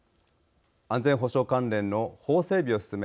安全保障関連の法整備を進め